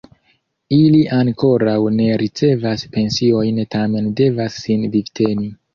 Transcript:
Ili ankoraŭ ne ricevas pensiojn tamen devas sin vivteni.